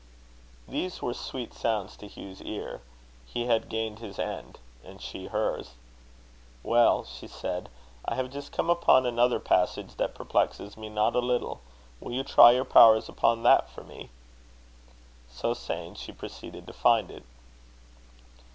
These were sweet sounds to Hugh's ear. He had gained his end. And she hers. "Well," she said, "I have just come upon another passage that perplexes me not a little. Will you try your powers upon that for me?" So saying, she proceeded to find it.